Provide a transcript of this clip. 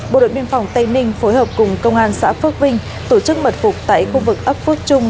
bộ đội biên phòng tây ninh phối hợp cùng công an xã phước vinh tổ chức mật phục tại khu vực ấp phước trung